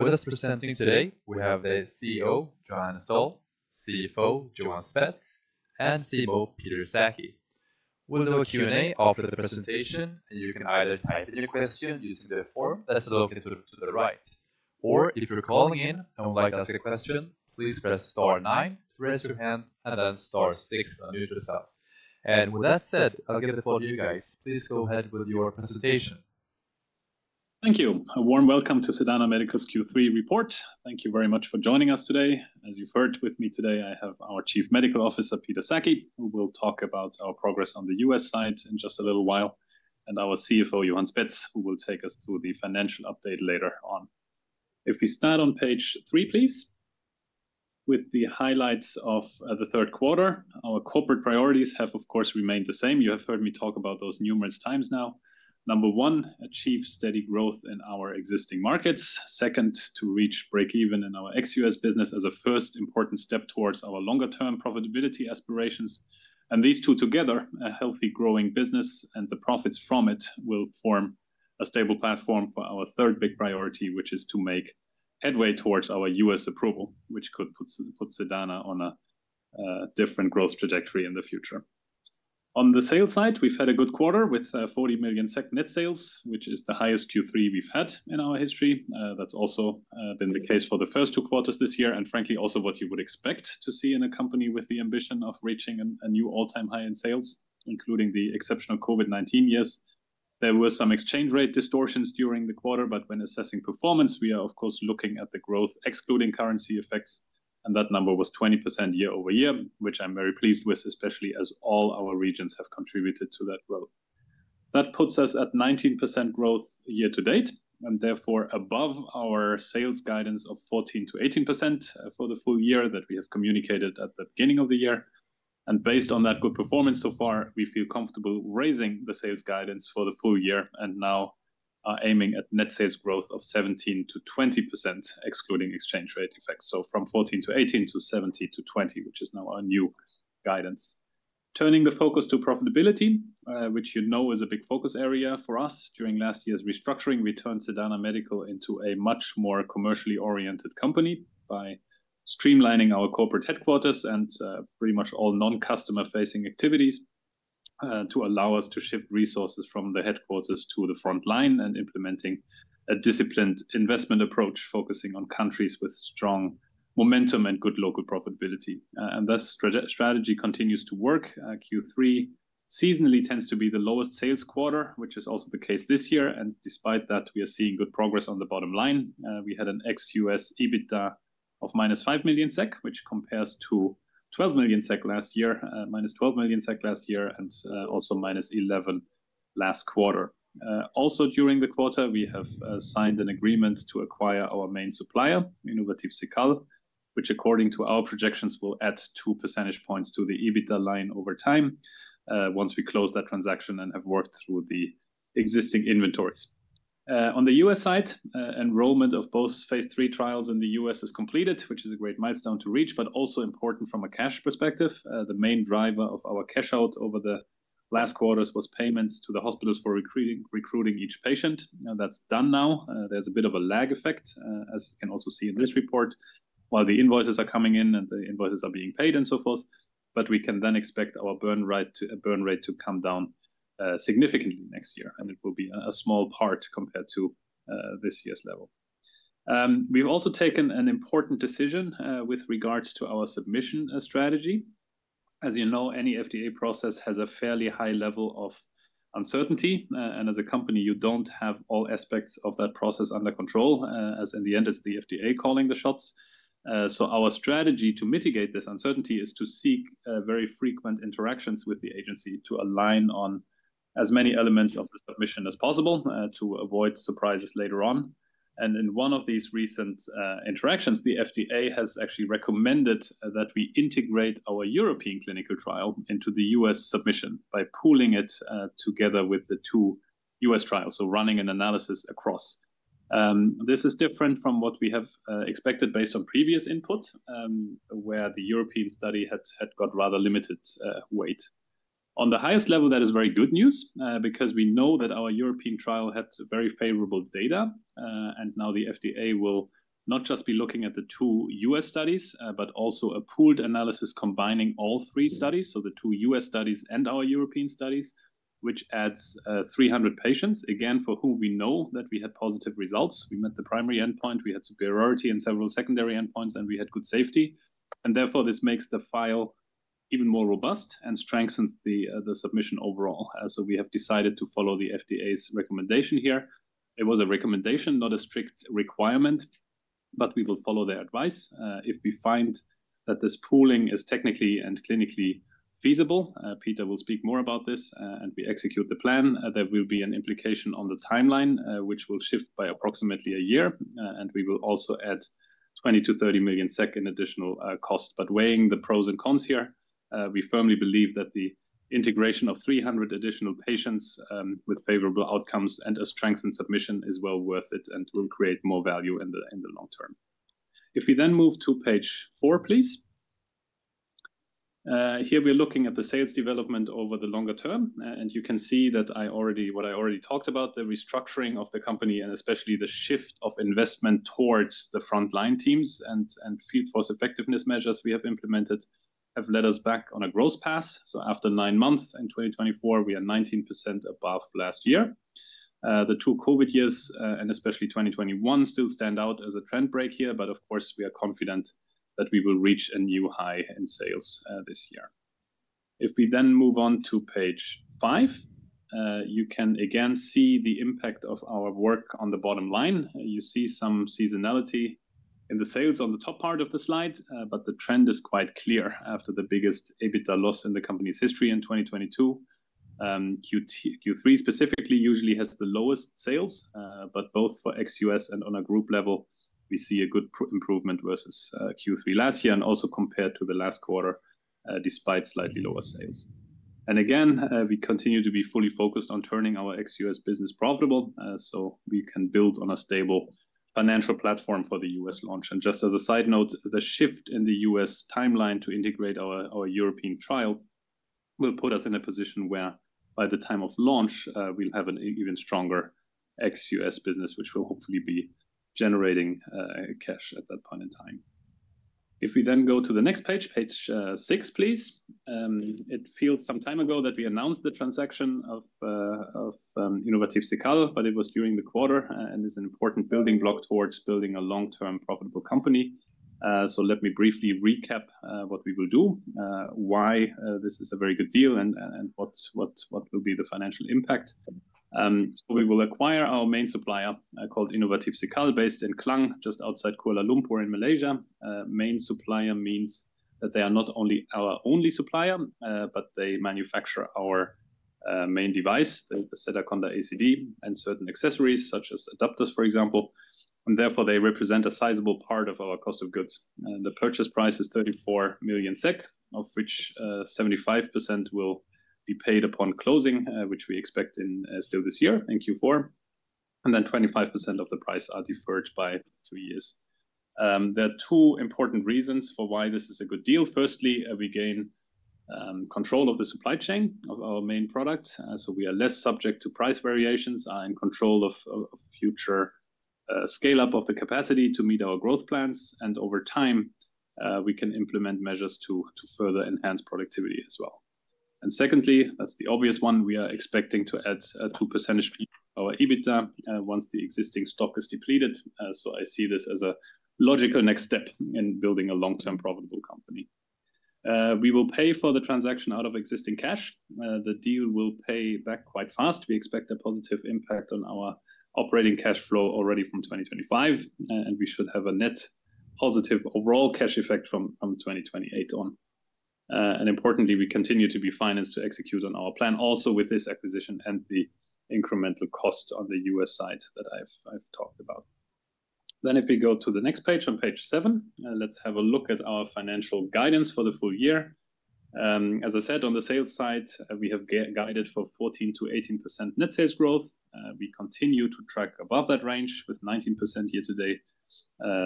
With us presenting today, we have the CEO, Johannes Doll, CFO, Johan Spetz, and CMO, Peter Sackey. We'll do a Q&A after the presentation, and you can either type in your question using the form that's located to the right, or if you're calling in and would like to ask a question, please press star nine to raise your hand and then star six to unmute yourself. And with that said, I'll give the floor to you guys. Please go ahead with your presentation. Thank you. A warm welcome to Sedana Medical's Q3 report. Thank you very much for joining us today. As you've heard, with me today, I have our Chief Medical Officer, Peter Sackey, who will talk about our progress on the U.S. side in just a little while, and our CFO, Johan Spetz, who will take us through the financial update later on. If we start on page three, please, with the highlights of the third quarter. Our corporate priorities have, of course, remained the same. You have heard me talk about those numerous times now. Number one, achieve steady growth in our existing markets. Second, to reach break-even in our ex-U.S. business as a first important step towards our longer-term profitability aspirations. These two together, a healthy growing business and the profits from it, will form a stable platform for our third big priority, which is to make headway towards our U.S. approval, which could put Sedana on a different growth trajectory in the future. On the sales side, we've had a good quarter with 40 million SEK net sales, which is the highest Q3 we've had in our history. That's also been the case for the first two quarters this year, and frankly, also what you would expect to see in a company with the ambition of reaching a new all-time high in sales, including the exceptional COVID-19 years. There were some exchange rate distortions during the quarter, but when assessing performance, we are, of course, looking at the growth, excluding currency effects, and that number was 20% year over year, which I'm very pleased with, especially as all our regions have contributed to that growth. That puts us at 19% growth year to date, and therefore, above our sales guidance of 14%-18% for the full year that we have communicated at the beginning of the year. Based on that good performance so far, we feel comfortable raising the sales guidance for the full year and now are aiming at net sales growth of 17%-20%, excluding exchange rate effects. From 14%-18% to 17%-20%, which is now our new guidance. Turning the focus to profitability, which you know is a big focus area for us. During last year's restructuring, we turned Sedana Medical into a much more commercially oriented company by streamlining our corporate headquarters and, pretty much all non-customer-facing activities, to allow us to shift resources from the headquarters to the front line and implementing a disciplined investment approach, focusing on countries with strong momentum and good local profitability, and thus strategy continues to work. Q3 seasonally tends to be the lowest sales quarter, which is also the case this year, and despite that, we are seeing good progress on the bottom line. We had an ex-US EBITDA of -5 million SEK, which compares to 12 million SEK last year, -12 million SEK last year, and also -11 million last quarter. Also during the quarter, we have signed an agreement to acquire our main supplier, Innovatif Cekal, which, according to our projections, will add two percentage points to the EBITDA line over time, once we close that transaction and have worked through the existing inventories. On the U.S. side, enrollment of both phase III trials in the U.S. is completed, which is a great milestone to reach, but also important from a cash perspective. The main driver of our cash out over the last quarters was payments to the hospitals for recruiting each patient. Now, that's done now. There's a bit of a lag effect, as you can also see in this report. While the invoices are coming in and the invoices are being paid and so forth, but we can then expect our burn rate to come down significantly next year, and it will be a small part compared to this year's level. We've also taken an important decision with regards to our submission strategy. As you know, any FDA process has a fairly high level of uncertainty, and as a company, you don't have all aspects of that process under control, as in the end, it's the FDA calling the shots. So our strategy to mitigate this uncertainty is to seek very frequent interactions with the agency to align on as many elements of the submission as possible, to avoid surprises later on. In one of these recent interactions, the FDA has actually recommended that we integrate our European clinical trial into the U.S. submission by pooling it together with the two U.S. trials, so running an analysis across. This is different from what we have expected based on previous input, where the European study had got rather limited weight. On the highest level, that is very good news, because we know that our European trial had very favorable data, and now the FDA will not just be looking at the two U.S. studies, but also a pooled analysis combining all three studies, so the two U.S. studies and our European studies, which adds 300 patients, again, for who we know that we had positive results. We met the primary endpoint, we had superiority in several secondary endpoints, and we had good safety, and therefore this makes the file even more robust and strengthens the submission overall, so we have decided to follow the FDA's recommendation here. It was a recommendation, not a strict requirement, but we will follow their advice. If we find that this pooling is technically and clinically feasible, Peter will speak more about this, and we execute the plan. There will be an implication on the timeline, which will shift by approximately a year, and we will also add 20-30 million SEK in additional costs. But weighing the pros and cons here, we firmly believe that the integration of 300 additional patients, with favorable outcomes and a strengthened submission is well worth it and will create more value in the long term. If we then move to page four, please? Here we're looking at the sales development over the longer term. And you can see that what I already talked about, the restructuring of the company, and especially the shift of investment towards the frontline teams and field force effectiveness measures we have implemented, have led us back on a growth path. So after nine months in 2024, we are 19% above last year. The two COVID years, and especially 2021, still stand out as a trend break here, but of course, we are confident that we will reach a new high in sales this year. If we then move on to page five, you can again see the impact of our work on the bottom line. You see some seasonality in the sales on the top part of the slide, but the trend is quite clear after the biggest EBITDA loss in the company's history in 2022. Q3 specifically usually has the lowest sales, but both for ex-US and on a group level, we see a good improvement versus Q3 last year and also compared to the last quarter, despite slightly lower sales. Again, we continue to be fully focused on turning our ex-US business profitable, so we can build on a stable financial platform for the US launch. Just as a side note, the shift in the US timeline to integrate our European trial will put us in a position where by the time of launch, we'll have an even stronger ex-US business, which will hopefully be generating cash at that point in time. If we then go to the next page, page six, please. It feels some time ago that we announced the transaction of Innovatif Cekal, but it was during the quarter and is an important building block towards building a long-term profitable company. So let me briefly recap what we will do, why this is a very good deal, and what will be the financial impact. So we will acquire our main supplier called Innovatif Cekal, based in Klang, just outside Kuala Lumpur in Malaysia. Main supplier means that they are not only our only supplier, but they manufacture our main device, the Sedaconda ACD, and certain accessories such as adapters, for example, and therefore, they represent a sizable part of our cost of goods. The purchase price is 34 million SEK, of which 75% will be paid upon closing, which we expect in still this year in Q4, and then 25% of the price are deferred by two years. There are two important reasons for why this is a good deal. Firstly, we gain control of the supply chain of our main product, so we are less subject to price variations, are in control of future scale-up of the capacity to meet our growth plans, and over time, we can implement measures to further enhance productivity as well. And secondly, that's the obvious one, we are expecting to add two percentage point our EBITDA once the existing stock is depleted. So I see this as a logical next step in building a long-term profitable company. We will pay for the transaction out of existing cash. The deal will pay back quite fast. We expect a positive impact on our operating cash flow already from 2025, and we should have a net positive overall cash effect from 2028 on. And importantly, we continue to be financed to execute on our plan, also with this acquisition and the incremental costs on the U.S. side that I've talked about. Then if we go to the next page, on page 7, let's have a look at our financial guidance for the full year. As I said, on the sales side, we have guided for 14%-18% net sales growth. We continue to track above that range with 19% year to date.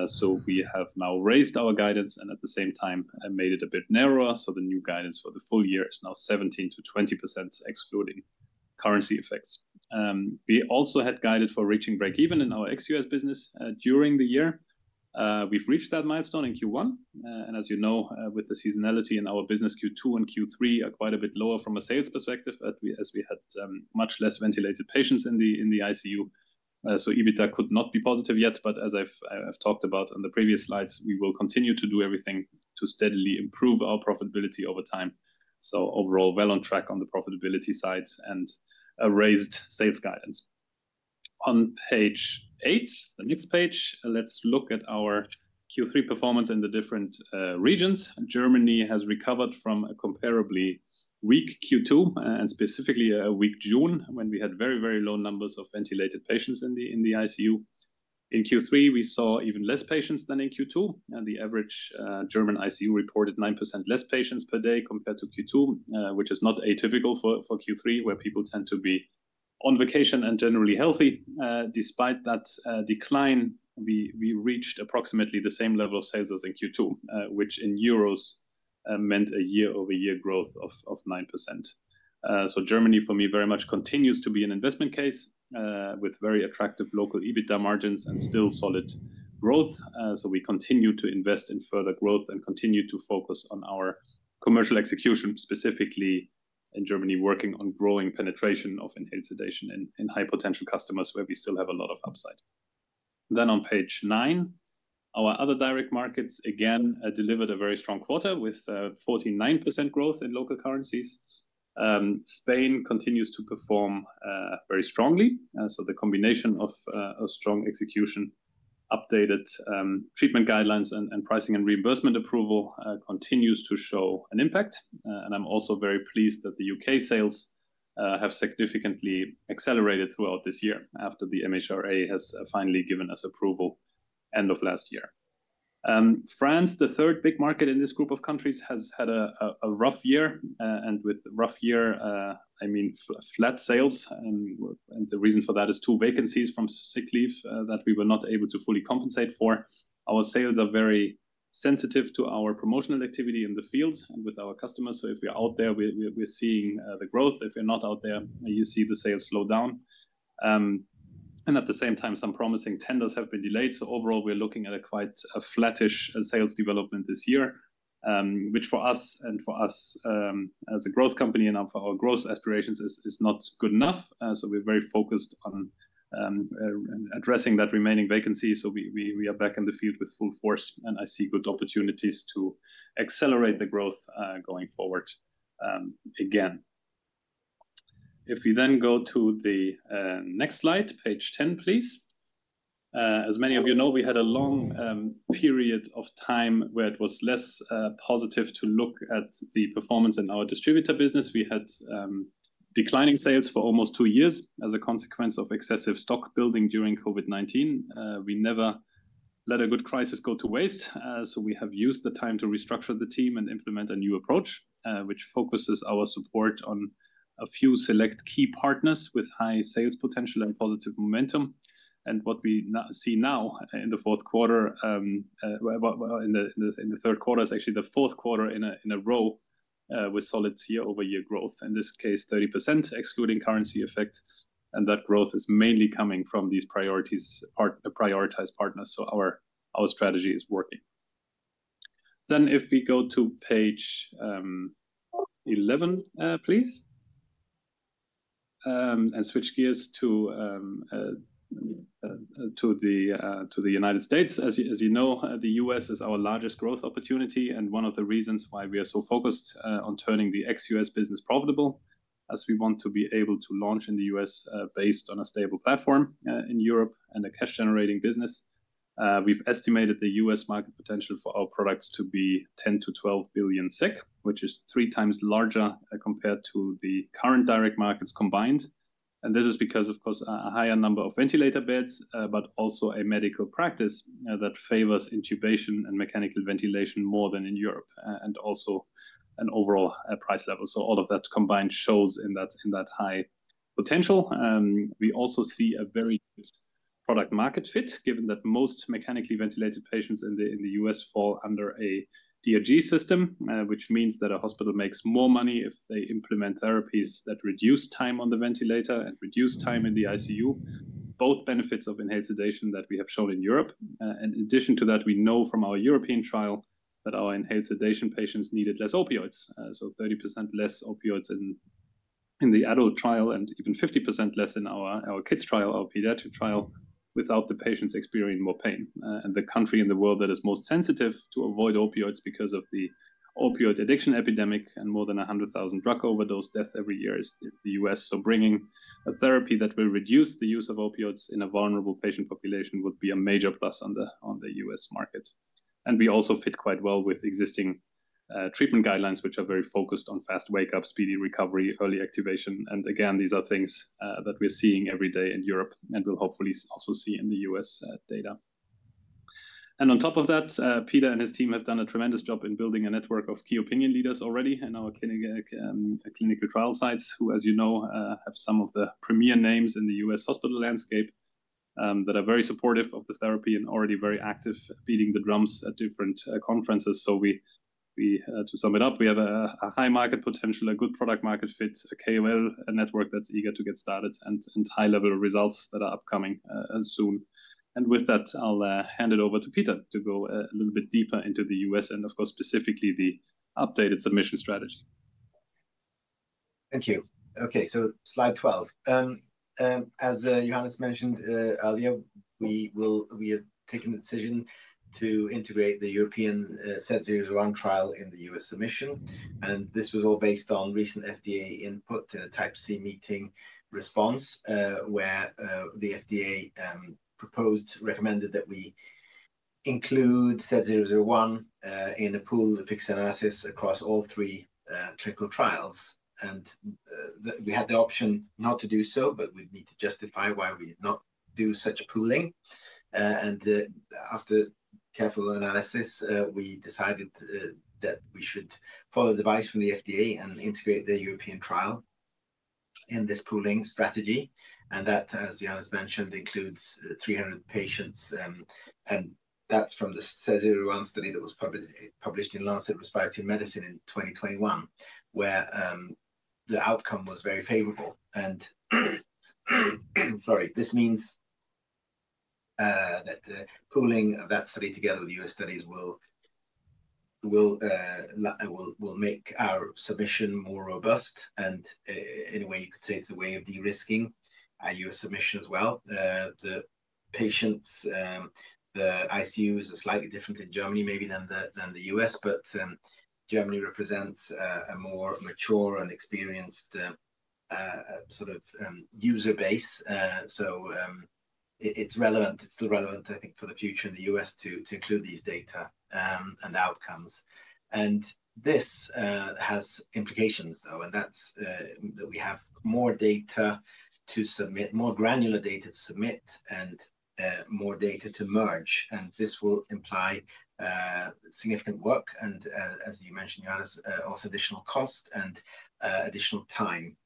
So we have now raised our guidance and at the same time, and made it a bit narrower. So the new guidance for the full year is now 17%-20%, excluding currency effects. We also had guided for reaching break-even in our ex-U.S. business during the year. We've reached that milestone in Q1. And as you know, with the seasonality in our business, Q2 and Q3 are quite a bit lower from a sales perspective, as we had much less ventilated patients in the ICU. So EBITDA could not be positive yet, but as I've talked about on the previous slides, we will continue to do everything to steadily improve our profitability over time. So overall, well on track on the profitability side and a raised sales guidance. On page eight, the next page, let's look at our Q3 performance in the different regions. Germany has recovered from a comparably weak Q2, and specifically a weak June, when we had very, very low numbers of ventilated patients in the ICU. In Q3, we saw even less patients than in Q2, and the average German ICU reported 9% less patients per day compared to Q2, which is not atypical for Q3, where people tend to be on vacation and generally healthy. Despite that decline, we reached approximately the same level of sales as in Q2, which in euros meant a year-over-year growth of 9%. So Germany, for me, very much continues to be an investment case, with very attractive local EBITDA margins and still solid growth. So we continue to invest in further growth and continue to focus on our commercial execution, specifically in Germany, working on growing penetration of inhaled sedation in high-potential customers where we still have a lot of upside. Then on page nine, our Other Direct Markets, again, delivered a very strong quarter with 49% growth in local currencies. Spain continues to perform very strongly. So the combination of a strong execution, updated treatment guidelines and pricing and reimbursement approval continues to show an impact. And I'm also very pleased that the UK sales have significantly accelerated throughout this year after the MHRA has finally given us approval end of last year. France, the third big market in this group of countries, has had a rough year, and with rough year, I mean, flat sales. And the reason for that is two vacancies from sick leave that we were not able to fully compensate for. Our sales are very-... Sensitive to our promotional activity in the field and with our customers. So if we are out there, we're seeing the growth. If we're not out there, you see the sales slow down. And at the same time, some promising tenders have been delayed. So overall, we're looking at quite a flattish sales development this year, which for us as a growth company and for our growth aspirations is not good enough. So we're very focused on addressing that remaining vacancy. So we are back in the field with full force, and I see good opportunities to accelerate the growth going forward again. If we then go to the next slide, page ten, please. As many of you know, we had a long period of time where it was less positive to look at the performance in our distributor business. We had declining sales for almost two years as a consequence of excessive stock building during COVID-19. We never let a good crisis go to waste, so we have used the time to restructure the team and implement a new approach, which focuses our support on a few select key partners with high sales potential and positive momentum. And what we now see in the third quarter is actually the fourth quarter in a row with solid year-over-year growth, in this case, 30%, excluding currency effects, and that growth is mainly coming from these prioritized partners, so our strategy is working. Then if we go to page 11, please, and switch gears to the United States. As you know, the US is our largest growth opportunity, and one of the reasons why we are so focused on turning the ex-US business profitable, as we want to be able to launch in the US based on a stable platform in Europe and a cash-generating business. We've estimated the U.S. market potential for our products to be 10-12 billion SEK, which is three times larger compared to the current direct markets combined, and this is because, of course, a higher number of ventilator beds, but also a medical practice that favors intubation and mechanical ventilation more than in Europe, and also an overall price level. So all of that combined shows in that high potential. We also see a very product market fit, given that most mechanically ventilated patients in the U.S. fall under a DRG system, which means that a hospital makes more money if they implement therapies that reduce time on the ventilator and reduce time in the ICU, both benefits of inhaled sedation that we have shown in Europe. In addition to that, we know from our European trial that our inhaled sedation patients needed less opioids, so 30% less opioids in the adult trial, and even 50% less in our kids trial, our pediatric trial, without the patients experiencing more pain. And the country in the world that is most sensitive to avoid opioids because of the opioid addiction epidemic and more than 100,000 drug overdose deaths every year is the U.S. So bringing a therapy that will reduce the use of opioids in a vulnerable patient population would be a major plus on the U.S. market. And we also fit quite well with existing treatment guidelines, which are very focused on fast wake-up, speedy recovery, early activation, and again, these are things that we're seeing every day in Europe, and we'll hopefully also see in the U.S. data. And on top of that, Peter and his team have done a tremendous job in building a network of key opinion leaders already in our clinical trial sites, who, as you know, have some of the premier names in the U.S. hospital landscape that are very supportive of the therapy and already very active, beating the drums at different conferences. So, to sum it up, we have a high market potential, a good product market fit, a KOL, a network that's eager to get started, and high level results that are upcoming soon. With that, I'll hand it over to Peter to go a little bit deeper into the U.S. and, of course, specifically the updated submission strategy. Thank you. Okay, so slide 12. As Johannes mentioned earlier, we have taken the decision to integrate the European SED001 trial in the US submission, and this was all based on recent FDA input in a Type C meeting response, where the FDA proposed, recommended that we include SED001 in a pooled fixed analysis across all three clinical trials. We had the option not to do so, but we'd need to justify why we would not do such a pooling. And after careful analysis, we decided that we should follow the advice from the FDA and integrate the European trial in this pooling strategy, and that, as Johannes mentioned, includes three hundred patients, and that's from the SED001 study that was published in Lancet Respiratory Medicine in 2021, where the outcome was very favorable. Sorry, this means that the pooling of that study together with the US studies will make our submission more robust, and in a way, you could say it's a way of de-risking our US submission as well. The patients, the ICUs are slightly different in Germany maybe than the US, but Germany represents a more mature and experienced sort of user base. So, it's relevant, it's still relevant, I think, for the future in the U.S. to include these data and outcomes. And this has implications, though, and that's that we have more data to submit, more granular data to submit, and more data to merge, and this will imply significant work, and as you mentioned, Johannes, also additional cost and additional time.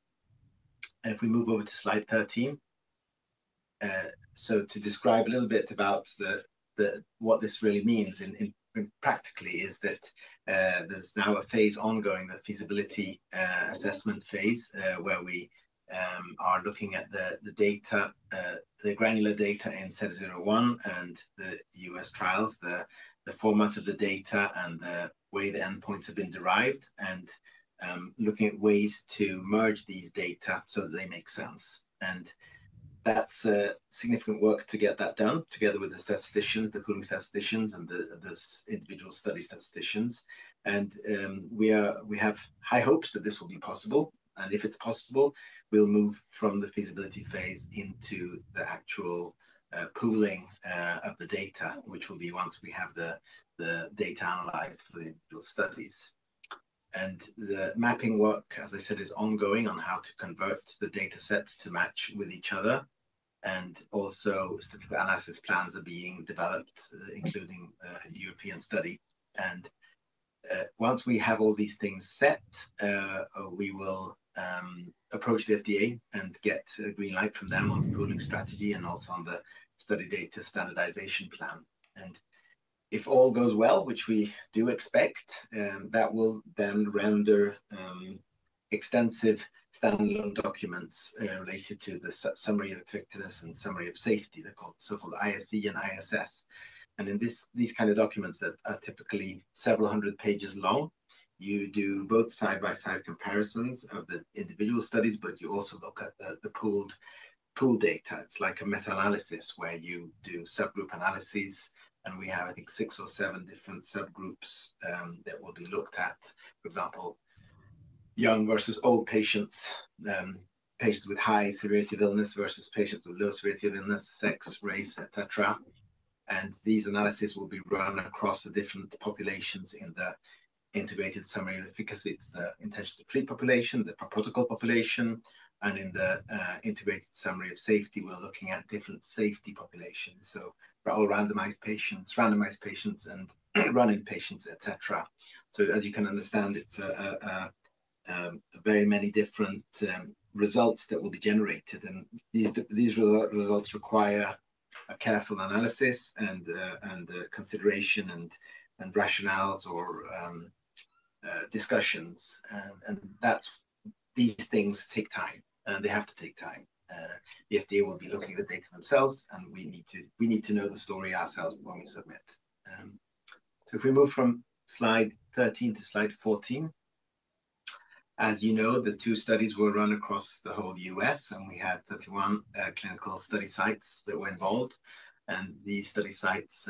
And if we move over to slide 13. So to describe a little bit about what this really means in practice is that there's now a phase ongoing, the feasibility assessment phase, where we are looking at the data, the granular data in SED001 and the US trials, the format of the data, and the way the endpoints have been derived, and looking at ways to merge these data so that they make sense. And that's significant work to get that done together with the statisticians, the pooling statisticians, and the individual study statisticians. And we have high hopes that this will be possible, and if it's possible, we'll move from the feasibility phase into the actual pooling of the data, which will be once we have the data analyzed for the individual studies. The mapping work, as I said, is ongoing on how to convert the datasets to match with each other. And also, statistical analysis plans are being developed, including European study. And once we have all these things set, we will approach the FDA and get a green light from them on the pooling strategy and also on the study data standardization plan. And if all goes well, which we do expect, that will then render extensive standalone documents related to the summary of effectiveness and summary of safety, the so-called ISE and ISS. And in these kind of documents that are typically several hundred pages long, you do both side-by-side comparisons of the individual studies, but you also look at the pooled data. It's like a meta-analysis where you do subgroup analyses, and we have, I think, six or seven different subgroups that will be looked at. For example, young versus old patients, patients with high severity of illness versus patients with low severity of illness, sex, race, et cetera. And these analyses will be run across the different populations in the integrated summary, because it's the intention to treat population, the protocol population, and in the integrated summary of safety, we're looking at different safety populations. So all randomized patients, randomized patients and run-in patients, et cetera. So as you can understand, it's a very many different results that will be generated, and these results require a careful analysis and consideration and rationales or discussions. And that's... these things take time, and they have to take time. The FDA will be looking at the data themselves, and we need to know the story ourselves when we submit. If we move from slide 13 to slide 14. As you know, the two studies were run across the whole US, and we had 31 clinical study sites that were involved. These study sites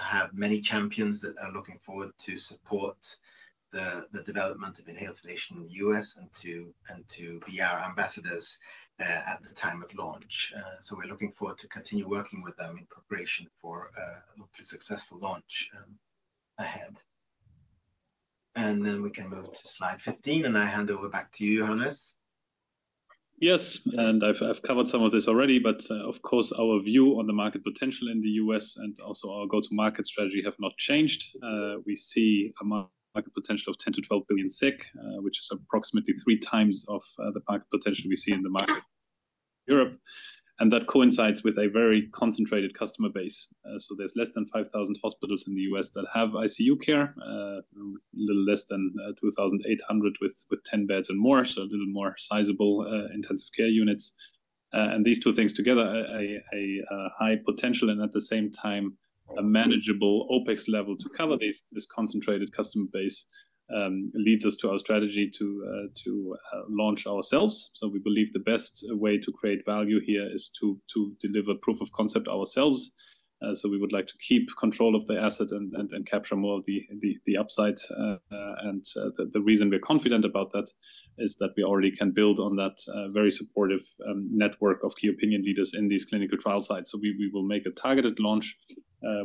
have many champions that are looking forward to support the development of Sedaconda in the US and to be our ambassadors at the time of launch. So we're looking forward to continue working with them in preparation for a hopefully successful launch ahead. We can move to slide 15, and I hand over back to you, Johannes. Yes, and I've covered some of this already, but, of course, our view on the market potential in the US and also our go-to-market strategy have not changed. We see a market potential of 10-12 billion, which is approximately three times of the market potential we see in the market, Europe, and that coincides with a very concentrated customer base. So there's less than 5,000 hospitals in the US that have ICU care, a little less than 2,800 with 10 beds and more, so a little more sizable intensive care units. These two things together, high potential and at the same time, a manageable OpEx level to cover this concentrated customer base, leads us to our strategy to launch ourselves. So we believe the best way to create value here is to deliver proof of concept ourselves. So we would like to keep control of the asset and capture more of the upside, and the reason we're confident about that is that we already can build on that very supportive network of key opinion leaders in these clinical trial sites. So we will make a targeted launch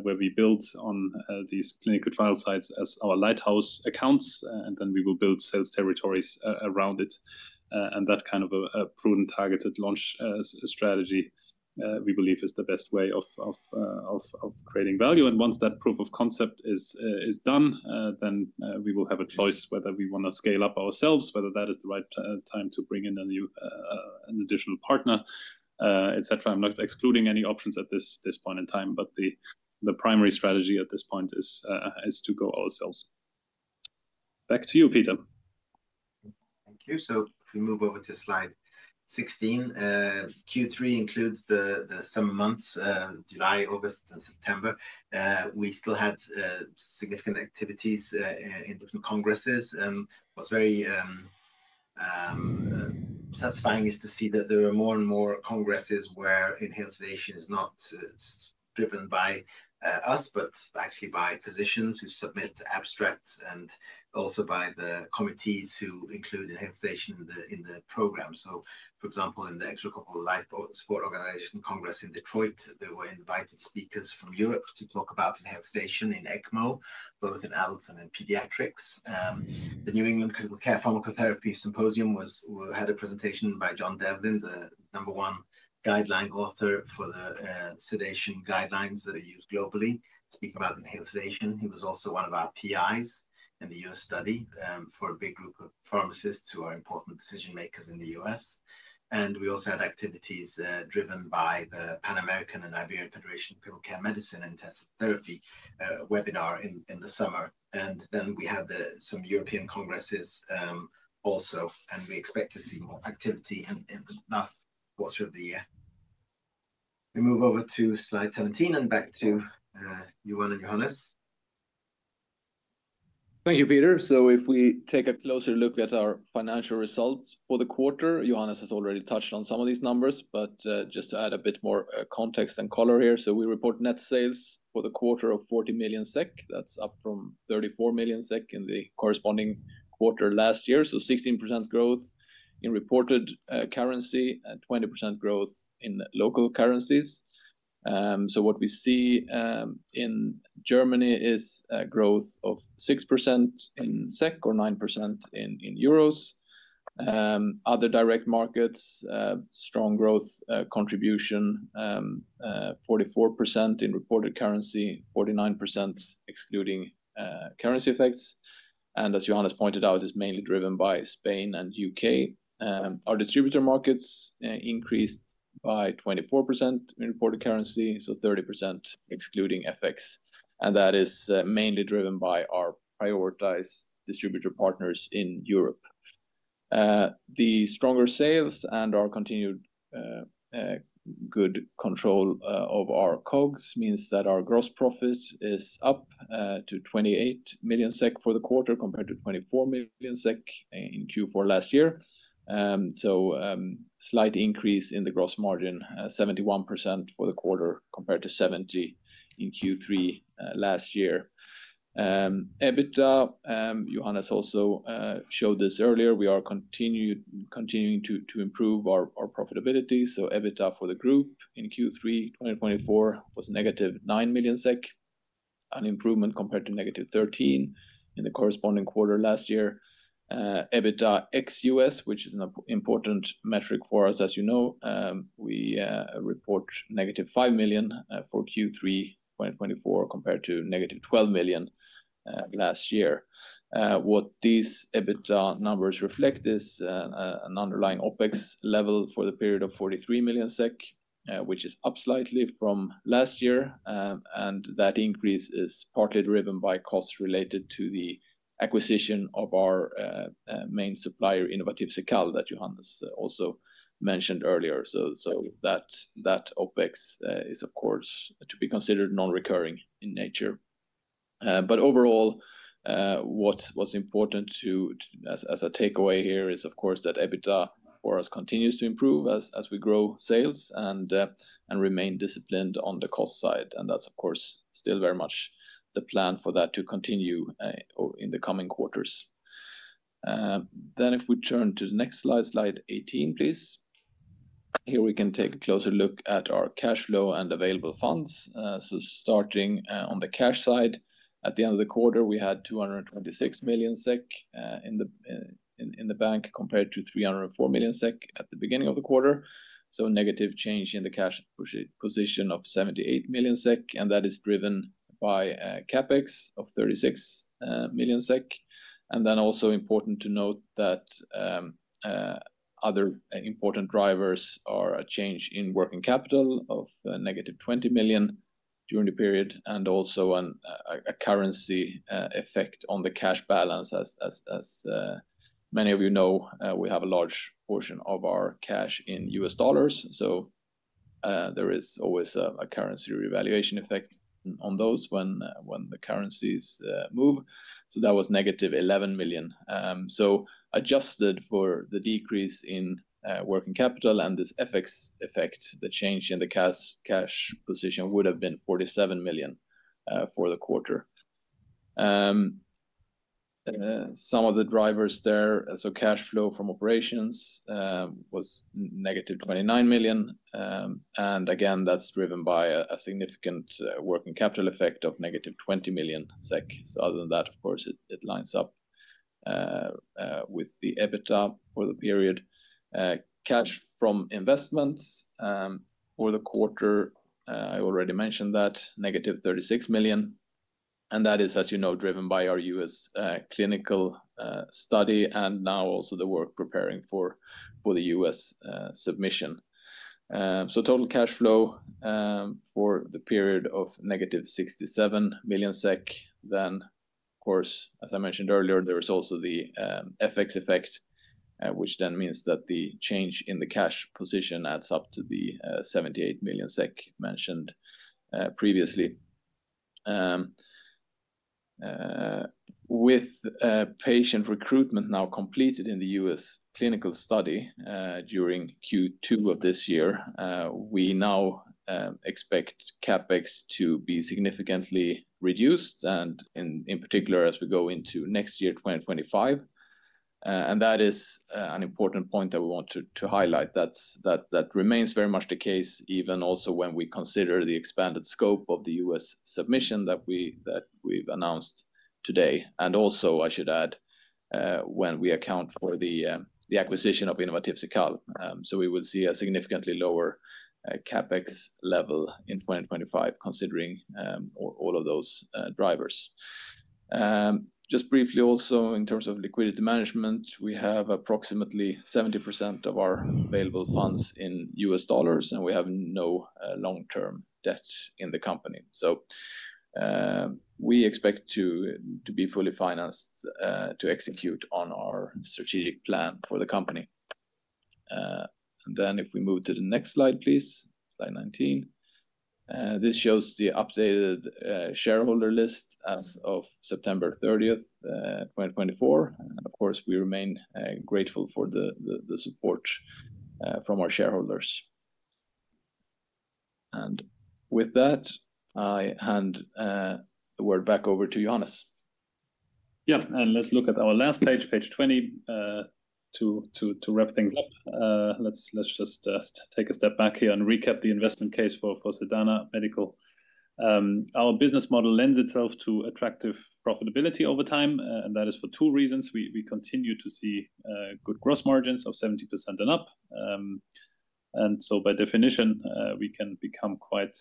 where we build on these clinical trial sites as our lighthouse accounts, and then we will build sales territories around it. And that kind of a prudent, targeted launch strategy we believe is the best way of creating value. Once that proof of concept is done, then we will have a choice whether we want to scale up ourselves, whether that is the right time to bring in a new, an additional partner, et cetera. I'm not excluding any options at this point in time, but the primary strategy at this point is to go ourselves. Back to you, Peter. Thank you. So if we move over to slide 16. Q3 includes the summer months, July, August, and September. We still had significant activities in different congresses. It was very satisfying to see that there are more and more congresses where inhaled sedation is not driven by us, but actually by physicians who submit abstracts, and also by the committees who include inhaled sedation in the program. So for example, in the Extracorporeal Life Support Organization Congress in Detroit, there were invited speakers from Europe to talk about inhaled sedation in ECMO, both in adults and in pediatrics. The New England Critical Care Pharmacotherapy Symposium had a presentation by John Devlin, the number one guideline author for the sedation guidelines that are used globally to speak about inhaled sedation. He was also one of our PIs in the US study, for a big group of pharmacists who are important decision-makers in the US. And we also had activities, driven by the Pan American and Iberian Federation of Critical Care Medicine and Intensive Therapy, webinar in, in the summer. And then we had some European congresses, also, and we expect to see more activity in, in the last quarter of the year. We move over to slide seventeen and back to Johan and Johannes. Thank you, Peter. So if we take a closer look at our financial results for the quarter, Johannes has already touched on some of these numbers, but just to add a bit more context and color here. So we report net sales for the quarter of 40 million SEK. That's up from 34 million SEK in the corresponding quarter last year. So 16% growth in reported currency and 20% growth in local currencies. So what we see in Germany is a growth of 6% in SEK or 9% in euros. Other Direct Markets, strong growth contribution, 44% in reported currency, 49% excluding currency effects. And as Johannes pointed out, is mainly driven by Spain and UK. Our Distributor Markets increased by 24% in reported currency, so 30% excluding FX, and that is mainly driven by our prioritized distributor partners in Europe. The stronger sales and our continued good control of our COGS means that our gross profit is up to 28 million SEK for the quarter, compared to 24 million SEK in Q4 last year. So, slight increase in the gross margin, 71% for the quarter, compared to 70% in Q3 last year. EBITDA, Johannes also showed this earlier, we are continuing to improve our profitability. So EBITDA for the group in Q3 2024 was negative 9 million SEK, an improvement compared to -13 in the corresponding quarter last year. EBITDA ex-US, which is an important metric for us, as you know, we report negative 5 million for Q3 2024, compared to negative 12 million last year. What these EBITDA numbers reflect is an underlying OpEx level for the period of 43 million SEK, which is up slightly from last year, and that increase is partly driven by costs related to the acquisition of our main supplier, Innovatif Cekal, that Johannes also mentioned earlier. That OpEx is, of course, to be considered non-recurring in nature. But overall, what was important as a takeaway here is, of course, that EBITDA for us continues to improve as we grow sales and remain disciplined on the cost side. That's, of course, still very much the plan for that to continue in the coming quarters. If we turn to the next slide, slide 18, please. Here we can take a closer look at our cash flow and available funds. So starting on the cash side, at the end of the quarter, we had 226 million SEK in the bank, compared to 304 million SEK at the beginning of the quarter. So a negative change in the cash position of 78 million SEK, and that is driven by CapEx of 36 million SEK. And then also important to note that, other important drivers are a change in working capital of negative 20 million during the period, and also a currency effect on the cash balance. As many of you know, we have a large portion of our cash in US dollars, so there is always a currency revaluation effect on those when the currencies move. So that was negative 11 million. So adjusted for the decrease in working capital and this FX effect, the change in the cash position would have been 47 million for the quarter. Some of the drivers there, so cash flow from operations was negative 29 million. And again, that's driven by a significant working capital effect of negative 20 million SEK. So other than that, of course, it lines up with the EBITDA for the period. Cash from investments for the quarter, I already mentioned that, -36 million, and that is, as you know, driven by our U.S. clinical study, and now also the work preparing for the US submission. So total cash flow for the period of -67 million SEK, then, of course, as I mentioned earlier, there is also the FX effect, which then means that the change in the cash position adds up to the 78 million SEK mentioned previously. With patient recruitment now completed in the US clinical study during Q2 of this year, we now expect CapEx to be significantly reduced, and in particular, as we go into next year, 2025, and that is an important point that we want to highlight. That remains very much the case, even also when we consider the expanded scope of the US submission that we've announced today, and also, I should add, when we account for the acquisition of Innovatif Cekal, so we will see a significantly lower CapEx level in 2025, considering all of those drivers. Just briefly also, in terms of liquidity management, we have approximately 70% of our available funds in US dollars, and we have no long-term debt in the company. So, we expect to be fully financed to execute on our strategic plan for the company. Then if we move to the next slide, please, slide 19. This shows the updated shareholder list as of September thirtieth, 2024. Of course, we remain grateful for the support from our shareholders. With that, I hand the word back over to Johannes. Yeah, and let's look at our last page, page 20, to wrap things up. Let's just take a step back here and recap the investment case for Sedana Medical. Our business model lends itself to attractive profitability over time, and that is for two reasons. We continue to see good gross margins of 70% and up. And so by definition, we can become quite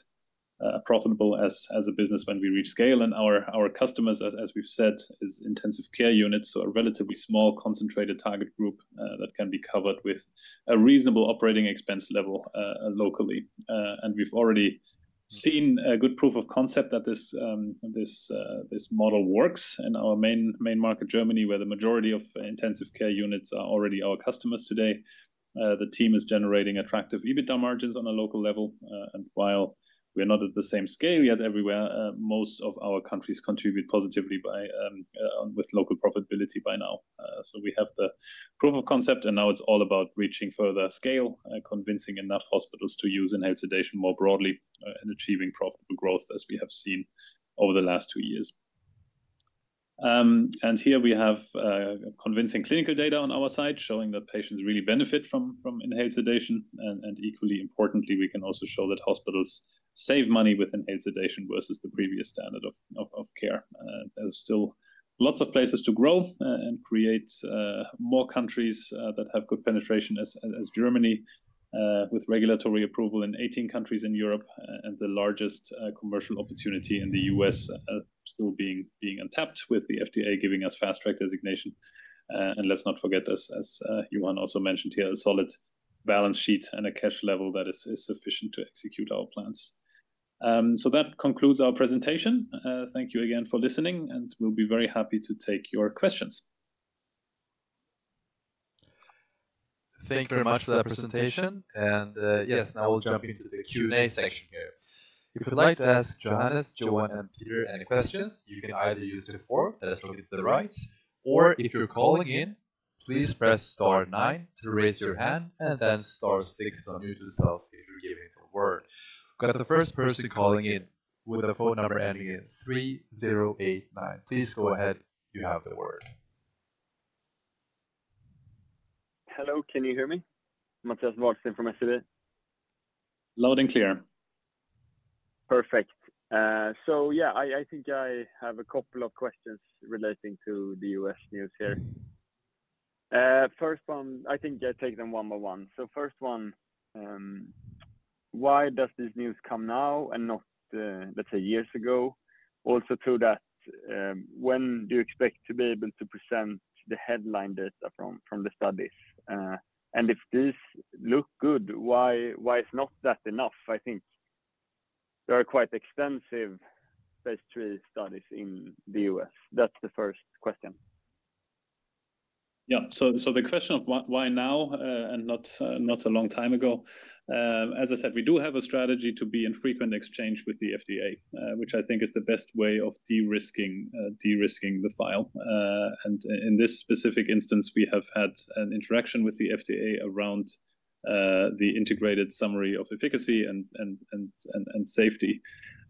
profitable as a business when we reach scale. And our customers, as we've said, is intensive care units, so a relatively small, concentrated target group that can be covered with a reasonable operating expense level, locally. We've already seen a good proof of concept that this model works in our main market, Germany, where the majority of intensive care units are already our customers today. The team is generating attractive EBITDA margins on a local level, and while we are not at the same scale yet everywhere, most of our countries contribute positively with local profitability by now, so we have the proof of concept, and now it's all about reaching further scale, convincing enough hospitals to use inhaled sedation more broadly, and achieving profitable growth, as we have seen over the last two years, and here we have convincing clinical data on our side, showing that patients really benefit from inhaled sedation. Equally importantly, we can also show that hospitals save money with inhaled sedation versus the previous standard of care. There's still lots of places to grow and create more countries that have good penetration as Germany with regulatory approval in eighteen countries in Europe and the largest commercial opportunity in the U.S. still being untapped with the FDA giving us fast track designation. Let's not forget, as Johan also mentioned here, a solid balance sheet and a cash level that is sufficient to execute our plans. So that concludes our presentation. Thank you again for listening, and we'll be very happy to take your questions. Thank you very much for that presentation. And, yes, now we'll jump into the Q&A section here. If you'd like to ask Johannes, Johan, and Peter any questions, you can either use the form that's located to the right, or if you're calling in, please press star nine to raise your hand and then star six to unmute yourself if you're given the word. Got the first person calling in with a phone number ending in three zero eight nine. Please go ahead. You have the word. Hello, can you hear me? Mattias Vadsten from SEB. Loud and clear. Perfect. So yeah, I think I have a couple of questions relating to the U.S. news here. First one, I think I take them one by one. So first one, why does this news come now and not, let's say, years ago? Also to that, when do you expect to be able to present the headline data from the studies? And if this look good, why is not that enough? I think there are quite extensive phase three studies in the U.S. That's the first question. Yeah. So the question of why, why now, and not a long time ago? As I said, we do have a strategy to be in frequent exchange with the FDA, which I think is the best way of de-risking the file. And in this specific instance, we have had an interaction with the FDA around the integrated summary of effectiveness and safety.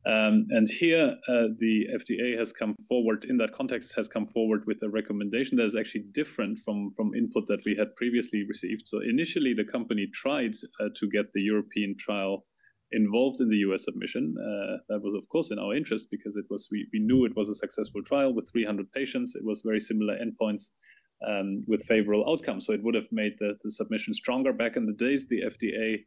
And here, the FDA has come forward in that context with a recommendation that is actually different from input that we had previously received. So initially, the company tried to get the European trial involved in the US submission. That was, of course, in our interest because we knew it was a successful trial with three hundred patients. It was very similar endpoints with favorable outcomes, so it would have made the submission stronger. Back in the days, the FDA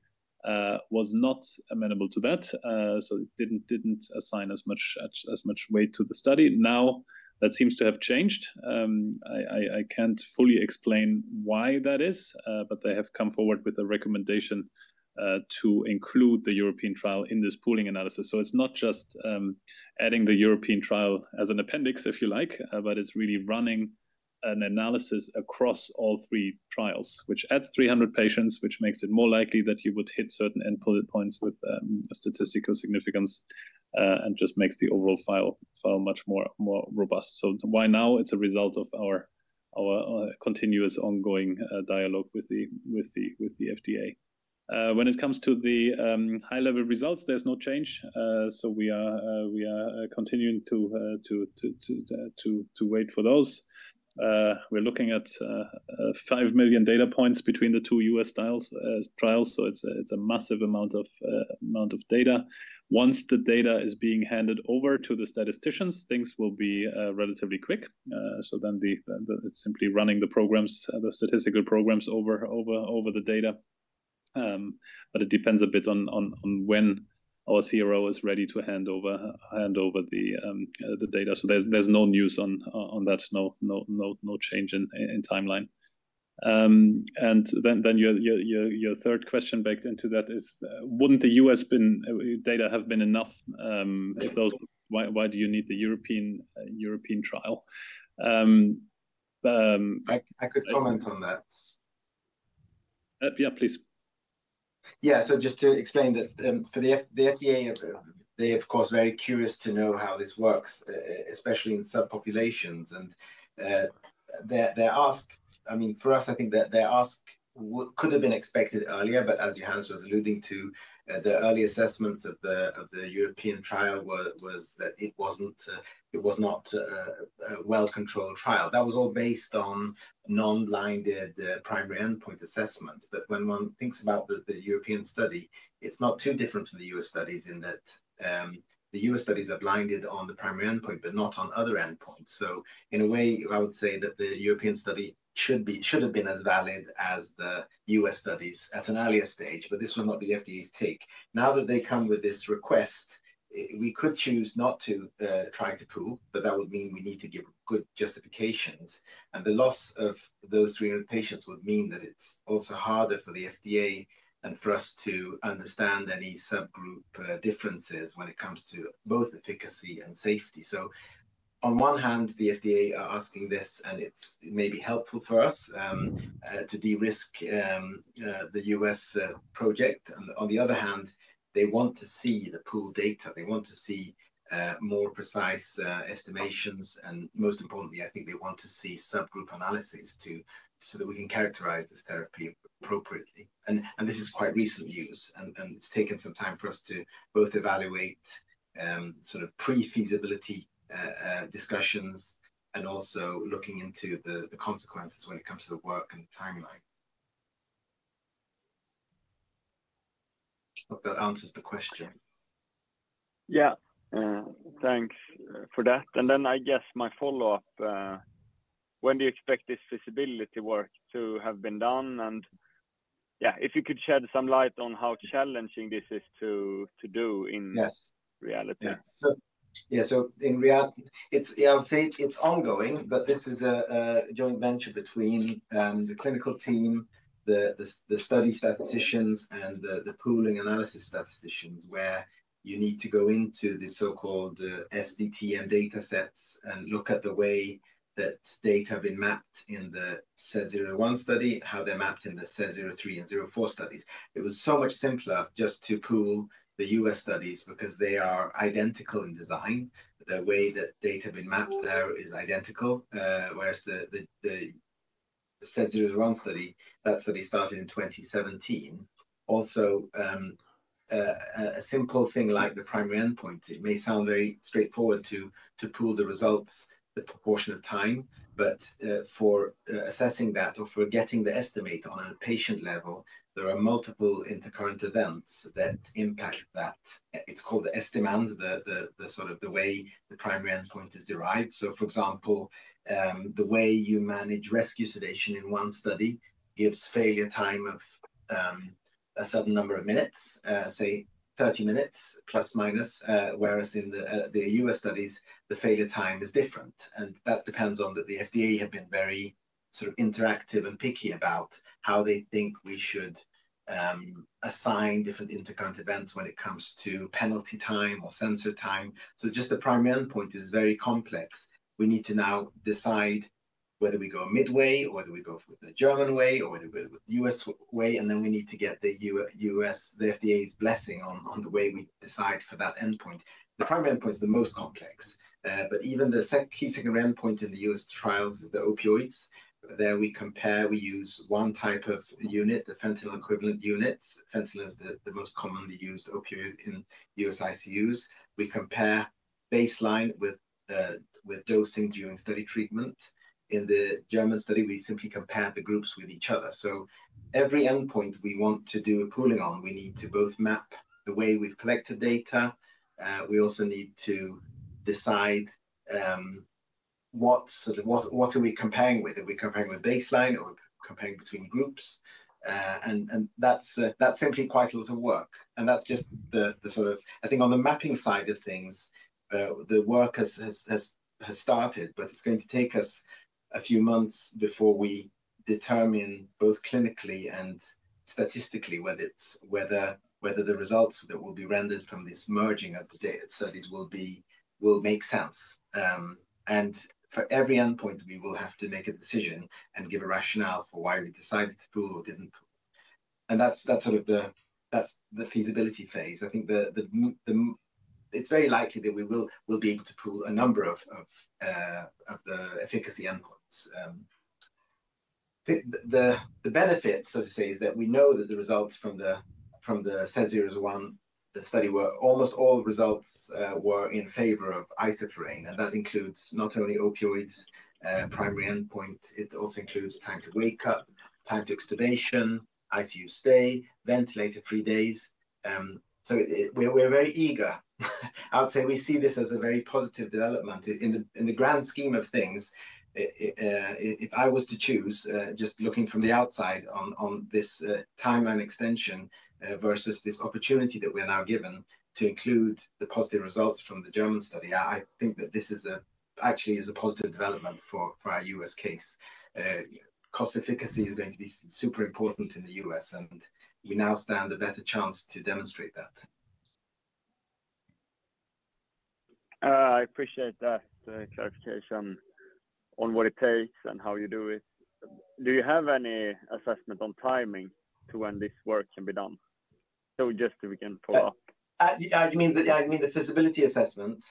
was not amenable to that, so it didn't assign as much weight to the study. Now, that seems to have changed. I can't fully explain why that is, but they have come forward with a recommendation to include the European trial in this pooling analysis. So it's not just adding the European trial as an appendix, if you like, but it's really running an analysis across all three trials, which adds three hundred patients, which makes it more likely that you would hit certain endpoint points with a statistical significance, and just makes the overall file so much more robust. So why now? It's a result of our continuous ongoing dialogue with the FDA. When it comes to the high-level results, there's no change. So we are continuing to wait for those. We're looking at five million data points between the two U.S. trials, so it's a massive amount of data. Once the data is being handed over to the statisticians, things will be relatively quick. So then it's simply running the programs, the statistical programs over the data. But it depends a bit on when our CRO is ready to hand over the data. So there's no news on that. No change in timeline. Then your third question baked into that is, wouldn't the US data have been enough, if those - why do you need the European trial? I could comment on that. Yeah, please. Yeah, so just to explain that, for the FDA, they, of course, very curious to know how this works, especially in subpopulations. Their ask, I mean, for us, I think that their ask could have been expected earlier, but as Johannes was alluding to, the early assessments of the European trial was that it wasn't, it was not, a well-controlled trial. That was all based on non-blinded primary endpoint assessment. But when one thinks about the European study, it's not too different from the US studies in that, the US studies are blinded on the primary endpoint, but not on other endpoints. So in a way, I would say that the European study should have been as valid as the US studies at an earlier stage, but this was not the FDA's take. Now that they come with this request, we could choose not to try to pool, but that would mean we need to give good justifications, and the loss of those 300 patients would mean that it's also harder for the FDA and for us to understand any subgroup differences when it comes to both efficacy and safety. So on one hand, the FDA are asking this, and it's maybe helpful for us to de-risk the US project. And on the other hand, they want to see the pool data. They want to see more precise estimations, and most importantly, I think they want to see subgroup analysis so that we can characterize this therapy appropriately. This is quite recent news, and it's taken some time for us to both evaluate sort of pre-feasibility discussions and also looking into the consequences when it comes to the work and timeline. Hope that answers the question. Yeah. Thanks, for that. And then I guess my follow-up, when do you expect this feasibility work to have been done? And, yeah, if you could shed some light on how challenging this is to do in- Yes... reality. Yeah. So in reality, it's... Yeah, I would say it's ongoing, but this is a joint venture between the clinical team, the study statisticians, and the pooling analysis statisticians, where you need to go into the so-called SDTM datasets and look at the way that data have been mapped in the SED001 study, how they're mapped in the SED003 and SED004 studies. It was so much simpler just to pool the US studies because they are identical in design. The way that data have been mapped there is identical, whereas the SED001 study, that study started in 2017. Also, a simple thing like the primary endpoint, it may sound very straightforward to pool the results, the proportion of time, but for assessing that or for getting the estimate on a patient level, there are multiple intercurrent events that impact that. It's called the estimand, sort of the way the primary endpoint is derived. So, for example, the way you manage rescue sedation in one study gives failure time of a certain number of minutes, say thirty minutes, plus minus, whereas in the US studies, the failure time is different, and that depends on that the FDA have been very sort of interactive and picky about how they think we should assign different intercurrent events when it comes to penalty time or censor time. So just the primary endpoint is very complex. We need to now decide whether we go midway or whether we go the German way or whether we go the U.S. way, and then we need to get the U.S., the FDA's blessing on the way we decide for that endpoint. The primary endpoint is the most complex. But even the key secondary endpoint in the U.S. trials, the opioids, there we compare, we use one type of unit, the fentanyl equivalent units. Fentanyl is the most commonly used opioid in U.S. ICUs. We compare baseline with dosing during study treatment. In the German study, we simply compare the groups with each other. So every endpoint we want to do a pooling on, we need to both map the way we've collected data, we also need to decide what are we comparing with? Are we comparing with baseline or comparing between groups? And that's simply quite a lot of work, and that's just I think on the mapping side of things, the work has started, but it's going to take us a few months before we determine, both clinically and statistically, whether it's the results that will be rendered from this merging of the data studies will make sense. And for every endpoint, we will have to make a decision and give a rationale for why we decided to pool or didn't pool. And that's the feasibility phase. I think it's very likely that we will be able to pool a number of the efficacy endpoints. The benefit, so to say, is that we know that the results from the SED001 study were almost all in favor of isoflurane, and that includes not only opioids primary endpoint, it also includes time to wake up, time to extubation, ICU stay, ventilator-free days. We're very eager. I would say we see this as a very positive development. In the grand scheme of things, if I was to choose, just looking from the outside on this timeline extension versus this opportunity that we are now given to include the positive results from the German study, I think that this actually is a positive development for our US case. Cost efficacy is going to be super important in the U.S., and we now stand a better chance to demonstrate that. I appreciate that clarification on what it takes and how you do it. Do you have any assessment on timing to when this work can be done? So just if we can follow up. You mean the feasibility assessment?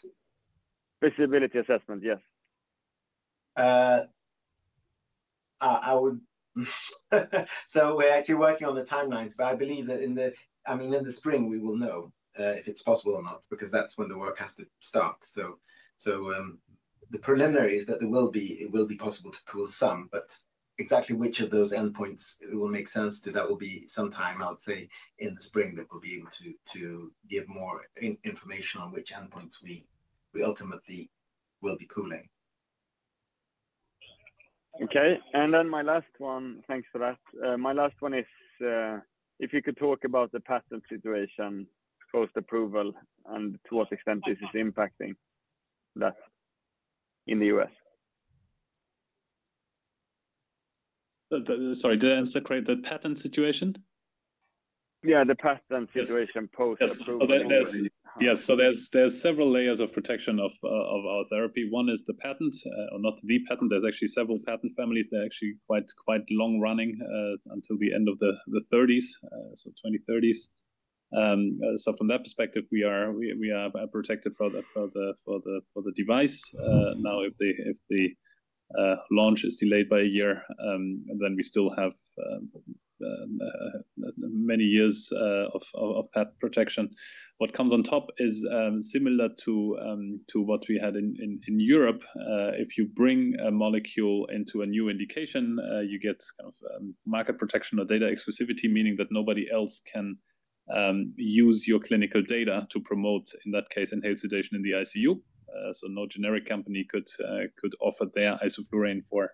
Feasibility assessment, yes. So we're actually working on the timelines, but I believe that in the, I mean, in the spring, we will know if it's possible or not, because that's when the work has to start. So the preliminary is that it will be possible to pool some, but exactly which of those endpoints will make sense to that will be sometime, I would say, in the spring, that we'll be able to give more information on which endpoints we ultimately will be pooling. Okay. And then my last one... Thanks for that. My last one is, if you could talk about the patent situation post-approval and to what extent this is impacting that in the U.S. Sorry, did I answer correctly, the patent situation? Yeah, the patent situation- Yes. -post-approval. Yes. So there's several layers of protection of our therapy. One is the patent, or not the patent. There's actually several patent families. They're actually quite long-running, until the end of the thirties, so 2030's. So from that perspective, we are protected for the device. Now, if the launch is delayed by a year, then we still have many years of patent protection. What comes on top is similar to what we had in Europe. If you bring a molecule into a new indication, you get kind of market protection or data exclusivity, meaning that nobody else can use your clinical data to promote, in that case, inhaled sedation in the ICU. So no generic company could offer their isoflurane for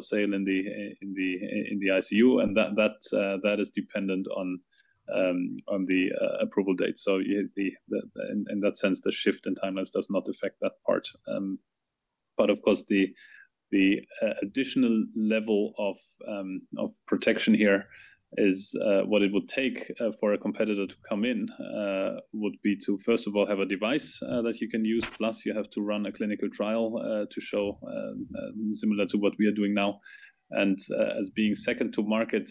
sale in the ICU. And that is dependent on the approval date. So yeah, in that sense, the shift in timelines does not affect that part. But of course, the additional level of protection here is what it would take for a competitor to come in would be to first of all have a device that you can use, plus you have to run a clinical trial to show similar to what we are doing now. And as being second to market,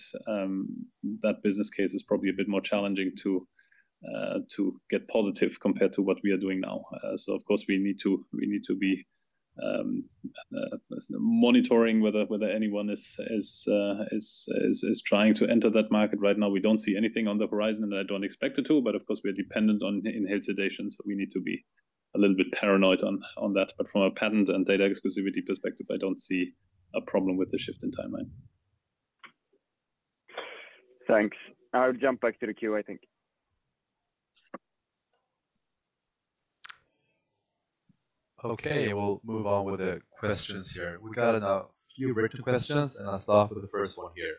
that business case is probably a bit more challenging to get positive compared to what we are doing now. So of course, we need to be monitoring whether anyone is trying to enter that market. Right now, we don't see anything on the horizon, and I don't expect it to, but of course, we are dependent on inhaled sedation, so we need to be a little bit paranoid on that. But from a patent and data exclusivity perspective, I don't see a problem with the shift in timeline. Thanks. I'll jump back to the queue, I think. Okay, we'll move on with the questions here. We've got a few written questions, and I'll start with the first one here.